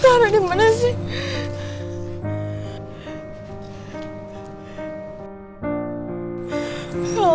clara dimana sih